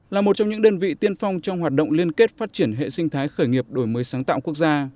là một trong những đơn vị tiên phong trong hoạt động liên kết phát triển hệ sinh thái khởi nghiệp đổi mới sáng tạo quốc gia